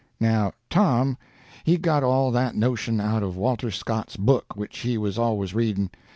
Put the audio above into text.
Now Tom he got all that notion out of Walter Scott's book, which he was always reading.